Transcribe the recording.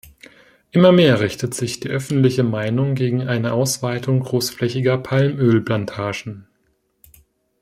Immer mehr richtet sich die öffentliche Meinung gegen eine Ausweitung großflächiger Palmölplantagen.